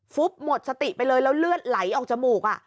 หมดสติไปเลยแล้วเลือดไหลออกจมูก